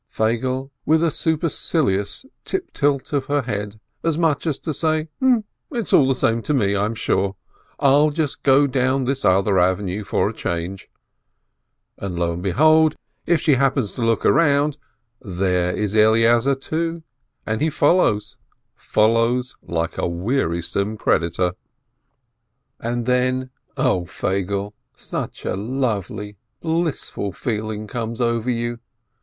Feigele answers with a supercilious tip tilt of her head, as much as to say, "It is all the same to me, I'm sure; I'll just go down this other avenue for a change," and, lo and behold, if she happens to look around, there is Eleazar, too, and he follows, follows like a wearisome creditor. A SIMPLE STOKY 495 And then, 0 Feigele, such a lovely, blissful feeling comes over you.